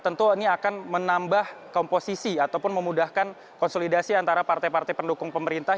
tentu ini akan menambah komposisi ataupun memudahkan konsolidasi antara partai partai pendukung pemerintah